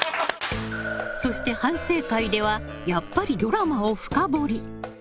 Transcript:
そして、反省会ではやっぱりドラマを深掘り。